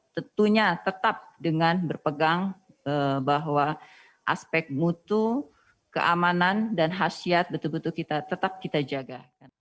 tentunya tetap dengan berpegang bahwa aspek mutu keamanan dan khasiat betul betul kita tetap kita jaga